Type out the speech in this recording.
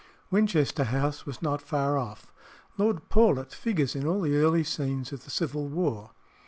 Winchester House was not far off. Lord Pawlet figures in all the early scenes of the Civil War.